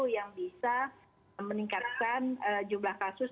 yang bisa meningkatkan jumlah kasus